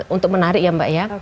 untuk menarik ya mbak ya